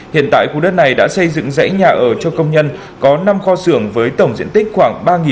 hiện tại khu đất này đã xây dựng dãy nhà ở cho công nhân có năm kho xưởng với tổng diện tích khoảng